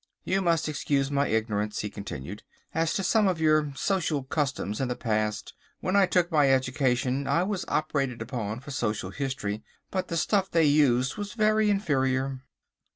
You must excuse my ignorance," he continued, "as to some of your social customs in the past. When I took my education I was operated upon for social history, but the stuff they used was very inferior."